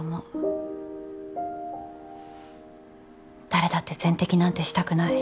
誰だって全摘なんてしたくない。